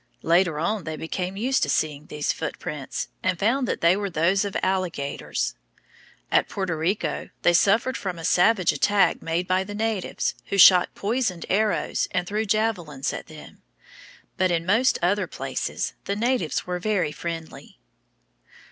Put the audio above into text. Later on they became used to seeing these footprints, and found that they were those of alligators. At Puerto Rico they suffered from a savage attack made by the natives, who shot poisoned arrows and threw javelins at them. But in most other places the natives were very friendly.